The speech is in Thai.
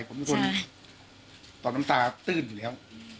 ผมเป็นคนต่อน้ำตาตื้นอยู่แล้ว